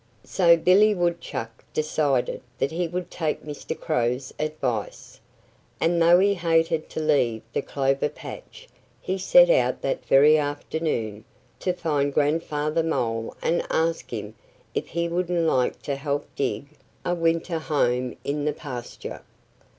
So Billy Woodchuck decided that he would take Mr. Crow's advice. And though he hated to leave the clover patch he set out that very afternoon to find Grandfather Mole and ask him if he wouldn't like to help dig a winter home in the pasture.